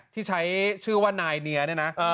ที่ใช้ชื่อว่านายเนียเนี่ยนะ